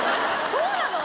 そうなの！？